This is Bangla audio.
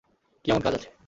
কি এমন কাজ আছে?